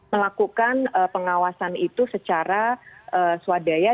melakukan pengawasan itu secara swadaya